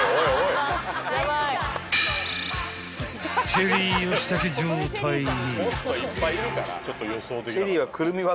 ［チェリー吉武状態に］